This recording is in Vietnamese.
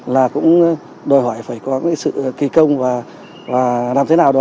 là cũng đòi hỏi phải có cái sự kỳ công và làm thế nào đó